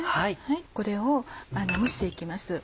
これを蒸していきます。